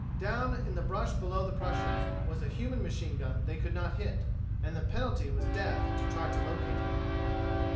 Down in the brush below the Prussians was a human machine gun they could not hit, and the penalty was death to try to locate him.